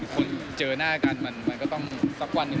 คนเจอหน้ากันมันก็ต้องสักวันหนึ่ง